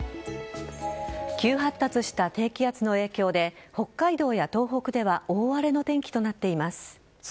急発達した低気圧の影響で北海道や東北では大荒れの天気となっています。